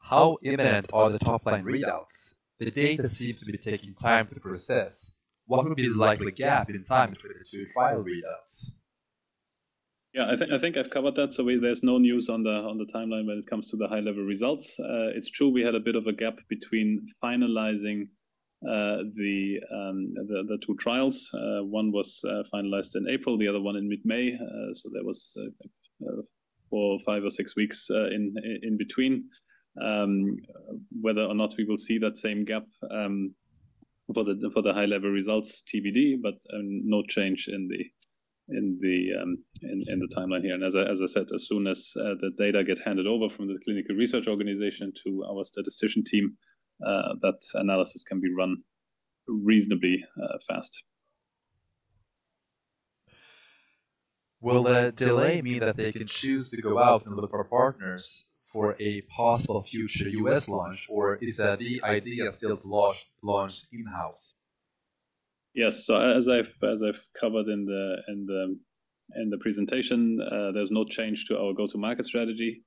How imminent are the top-line readouts? The data seems to be taking time to process. What would be the likely gap in time between the two trial readouts? Yeah, I think I've covered that. So there's no news on the timeline when it comes to the high-level results. It's true, we had a bit of a gap between finalizing the two trials. One was finalized in April, the other one in mid-May, so there was four, five or six weeks in between. Whether or not we will see that same gap for the high-level results, TBD, but no change in the timeline here. And as I said, as soon as the data get handed over from the clinical research organization to our statistician team, that analysis can be run reasonably fast. Will the delay mean that they can choose to go out and look for partners for a possible future U.S. launch, or is the idea still to launch in-house? Yes. So as I've covered in the presentation, there's no change to our go-to-market strategy.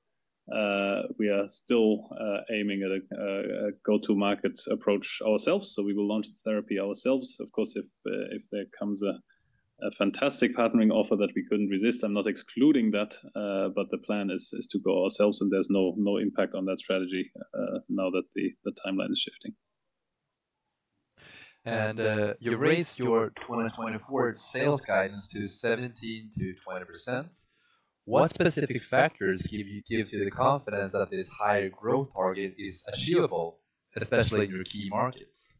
We are still aiming at a go-to-market approach ourselves, so we will launch the therapy ourselves. Of course, if there comes a fantastic partnering offer that we couldn't resist, I'm not excluding that, but the plan is to go ourselves, and there's no impact on that strategy, now that the timeline is shifting. You raised your 2024 sales guidance to 17%-20%. What specific factors gives you the confidence that this higher growth target is achievable, especially in your key markets?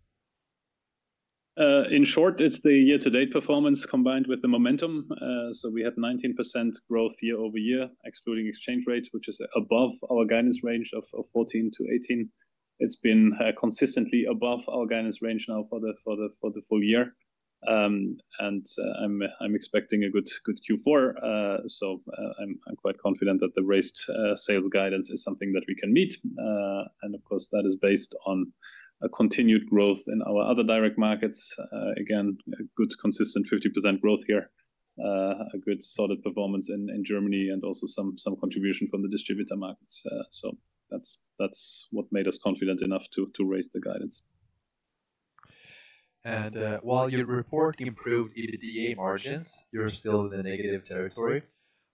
In short, it's the year-to-date performance combined with the momentum. So we had 19% growth year over year, excluding exchange rates, which is above our guidance range of 14%-18%. It's been consistently above our guidance range now for the full year. And I'm expecting a good Q4. So I'm quite confident that the raised sales guidance is something that we can meet. And of course, that is based on a continued growth in our Other Direct Markets. Again, a good, consistent 50% growth here. A good solid performance in Germany and also some contribution from the Distributor Markets. So that's what made us confident enough to raise the guidance. While you report improved EBITDA margins, you're still in the negative territory.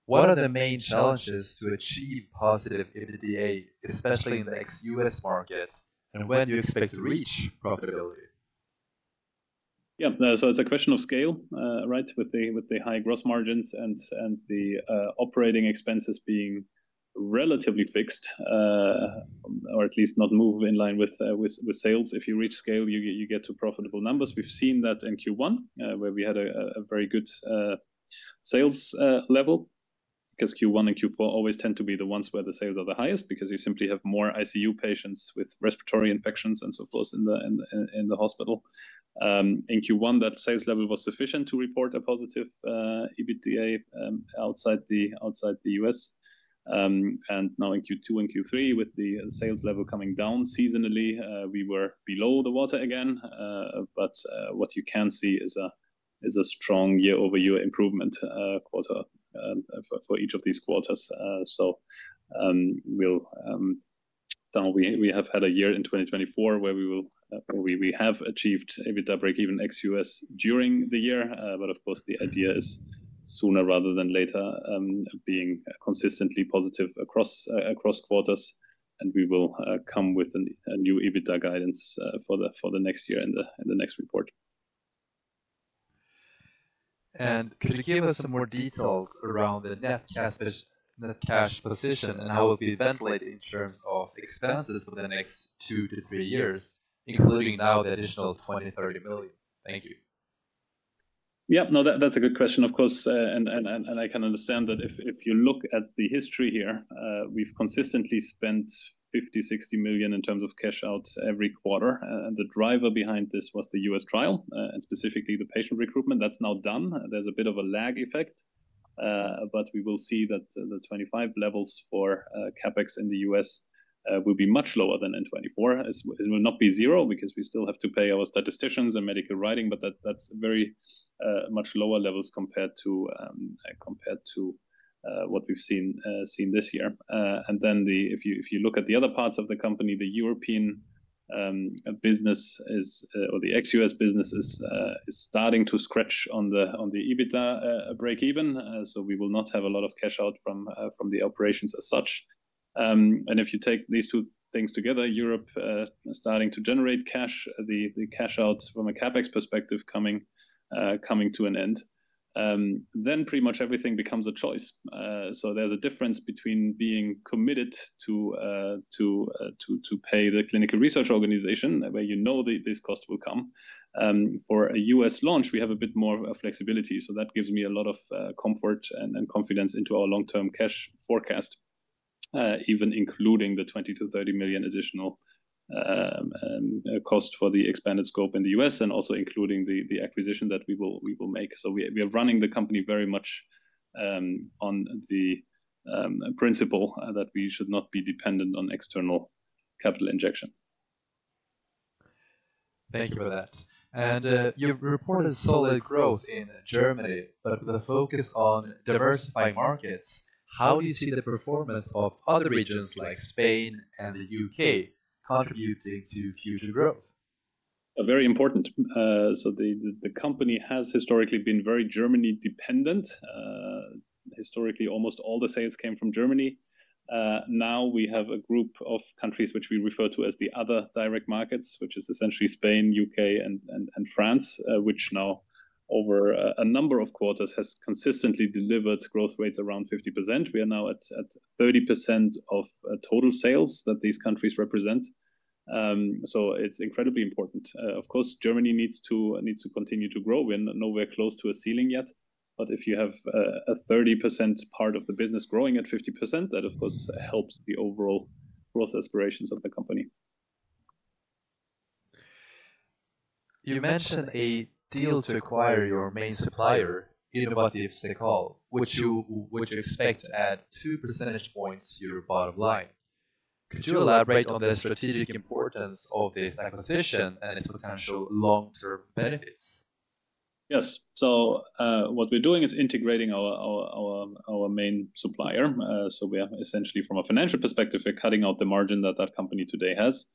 What are the main challenges to achieve positive EBITDA, especially in the ex-US market, and when do you expect to reach profitability? Yeah. So it's a question of scale, right? With the high gross margins and the operating expenses being relatively fixed, or at least not move in line with sales. If you reach scale, you get to profitable numbers. We've seen that in Q1, where we had a very good sales level, because Q1 and Q4 always tend to be the ones where the sales are the highest, because you simply have more ICU patients with respiratory infections and so forth in the hospital. In Q1, that sales level was sufficient to report a positive EBITDA outside the U.S. And now in Q2 and Q3, with the sales level coming down seasonally, we were below the water again. But what you can see is a strong year-over-year improvement quarter for each of these quarters. Now we have had a year in 2024 where we have achieved EBITDA breakeven ex-US during the year. But of course, the idea is sooner rather than later, being consistently positive across quarters, and we will come with a new EBITDA guidance for the next year and the next report. Could you give us some more details around the net cash position, and how will it be allocated in terms of expenses for the next two to three years, including now the additional 20-30 million? Thank you. Yeah. No, that's a good question, of course, and I can understand that if you look at the history here, we've consistently spent 50-60 million in terms of cash outs every quarter, and the driver behind this was the US trial, and specifically the patient recruitment. That's now done. There's a bit of a lag effect, but we will see that the 2025 levels for CapEx in the US will be much lower than in 2024. It will not be zero because we still have to pay our statisticians and medical writing, but that's very much lower levels compared to what we've seen this year. And then the.. If you look at the other parts of the company, the European business is, or the ex-US business is starting to scratch on the EBITDA breakeven. So we will not have a lot of cash out from the operations as such. And if you take these two things together, Europe starting to generate cash, the cash outs from a CapEx perspective coming to an end, then pretty much everything becomes a choice. So there's a difference between being committed to pay the clinical research organization, where you know this cost will come. For a U.S. launch, we have a bit more flexibility, so that gives me a lot of comfort and confidence into our long-term cash forecast, even including the 20-30 million additional cost for the expanded scope in the U.S. and also including the acquisition that we will make. So we are running the company very much on the principle that we should not be dependent on external capital injection. Thank you for that. And, you've reported solid growth in Germany, but the focus on diversifying markets, how do you see the performance of other regions like Spain and the UK contributing to future growth? Very important. So the company has historically been very Germany dependent. Historically, almost all the sales came from Germany. Now we have a group of countries which we refer to as the Other Direct Markets, which is essentially Spain, UK, and France, which now over a number of quarters has consistently delivered growth rates around 50%. We are now at 30% of total sales that these countries represent. So it's incredibly important. Of course, Germany needs to continue to grow. We're nowhere close to a ceiling yet, but if you have a 30% part of the business growing at 50%, that of course helps the overall growth aspirations of the company. You mentioned a deal to acquire your main supplier, Innovatif Cekal, which you expect to add two percentage points to your bottom line. Could you elaborate on the strategic importance of this acquisition and its potential long-term benefits? Yes. What we're doing is integrating our main supplier. So we are essentially from a financial perspective, we're cutting out the margin that company today has.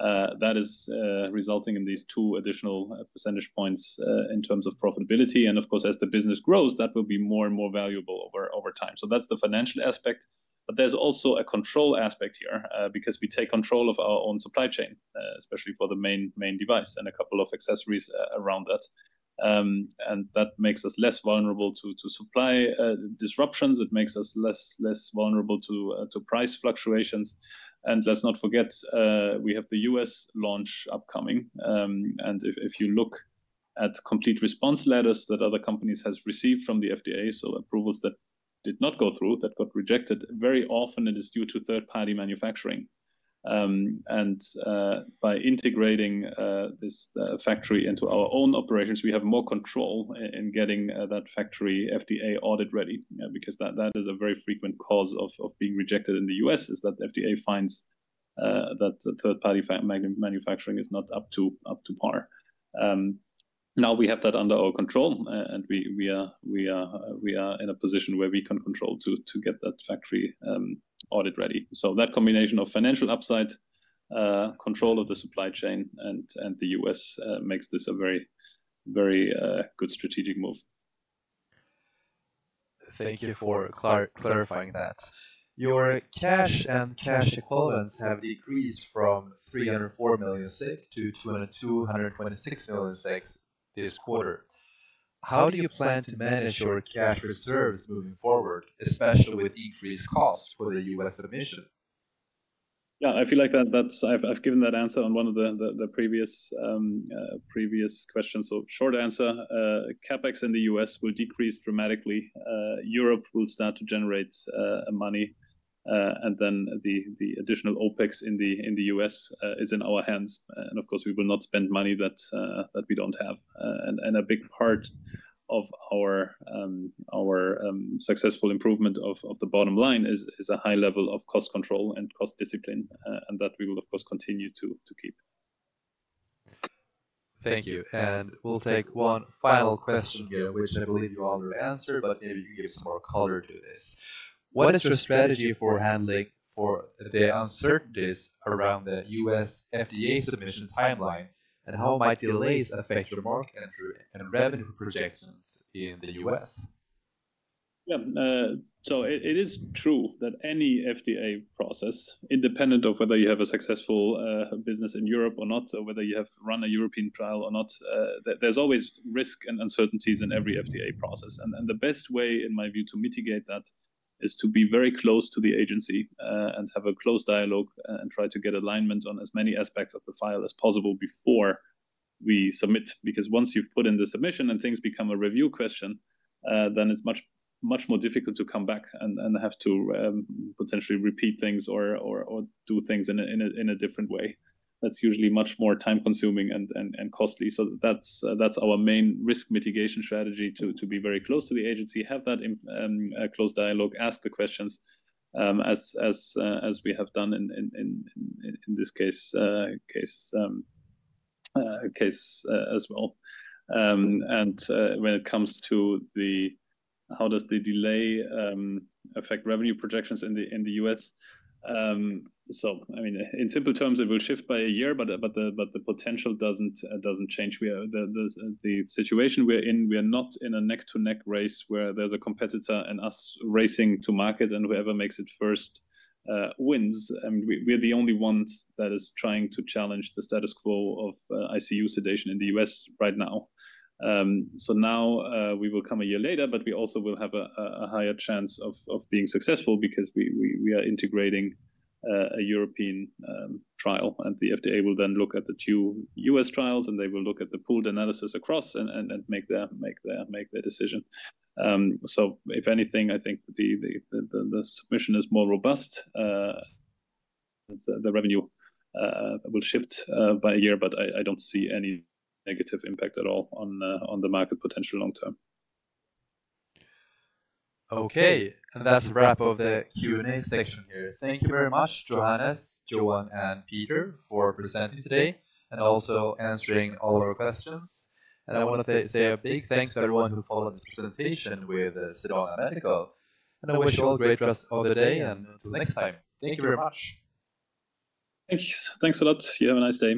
That is resulting in these two additional percentage points in terms of profitability, and of course, as the business grows, that will be more and more valuable over time. That's the financial aspect, but there's also a control aspect here, because we take control of our own supply chain, especially for the main device and a couple of accessories around that. And that makes us less vulnerable to supply disruptions. It makes us less vulnerable to price fluctuations. And let's not forget, we have the U.S. launch upcoming. If you look at Complete Response Letters that other companies has received from the FDA, so approvals that did not go through, that got rejected, very often it is due to third-party manufacturing. By integrating this factory into our own operations, we have more control in getting that factory FDA audit-ready. Because that is a very frequent cause of being rejected in the U.S., is that the FDA finds that the third-party manufacturing is not up to par. Now we have that under our control, and we are in a position where we can control to get that factory audit-ready. So that combination of financial upside, control of the supply chain, and the US makes this a very, very good strategic move. Thank you for clarifying that. Your cash and cash equivalents have decreased from 304 million SEK to 226 million SEK this quarter. How do you plan to manage your cash reserves moving forward, especially with increased costs for the US submission? Yeah, I feel like that, that's—I've given that answer on one of the previous question. So short answer, CapEx in the US will decrease dramatically. Europe will start to generate money, and then the additional OpEx in the US is in our hands. And of course, we will not spend money that we don't have. And a big part of our successful improvement of the bottom line is a high level of cost control and cost discipline, and that we will, of course, continue to keep. Thank you. And we'll take one final question here, which I believe you already answered, but maybe you can give some more color to this. What is your strategy for handling the uncertainties around the U.S. FDA submission timeline, and how might delays affect your market entry and revenue projections in the U.S.? Yeah, so it is true that any FDA process, independent of whether you have a successful business in Europe or not, or whether you have run a European trial or not, there's always risk and uncertainties in every FDA process. And the best way, in my view, to mitigate that is to be very close to the agency, and have a close dialogue and try to get alignment on as many aspects of the file as possible before we submit. Because once you've put in the submission and things become a review question, then it's much more difficult to come back and have to potentially repeat things or do things in a different way. That's usually much more time-consuming and costly. So that's our main risk mitigation strategy to be very close to the agency, have that in close dialogue, ask the questions as we have done in this case as well. When it comes to how does the delay affect revenue projections in the US? I mean, in simple terms, it will shift by a year, but the potential doesn't change. The situation we're in, we are not in a neck-to-neck race where there's a competitor and us racing to market and whoever makes it first wins. We're the only ones that is trying to challenge the status quo of ICU sedation in the US right now. So now we will come a year later, but we also will have a higher chance of being successful because we are integrating a European trial, and the FDA will then look at the two U.S. trials, and they will look at the pooled analysis across and make their decision. So if anything, I think the submission is more robust. The revenue will shift by a year, but I don't see any negative impact at all on the market potential long term. Okay, and that's a wrap of the Q&A section here. Thank you very much, Johannes, Johan, and Peter, for presenting today and also answering all our questions. And I want to say a big thanks to everyone who followed this presentation with Sedana Medical. And I wish you all a great rest of the day, and until next time. Thank you very much. Thanks. Thanks a lot. You have a nice day.